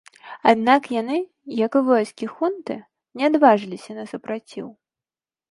Аднак яны, як і войскі хунты, не адважыліся на супраціў.